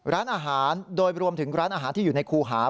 ร้านอาหารโดยรวมถึงร้านอาหารที่อยู่ในคูหา